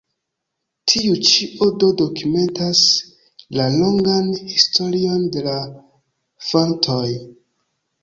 Tiu ĉi odo dokumentas la longan historion de la fontoj.